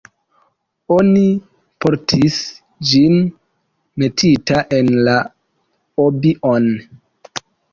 Oni portis ĝin metita en la "obi-on".